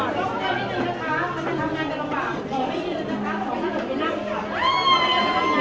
โปรดติดตามต่อไป